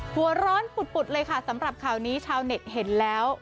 หัวร้อนปุดเลยค่ะสำหรับข่าวนี้ชาวเน็ตเห็นแล้ว